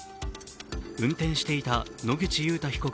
運転していた野口祐太被告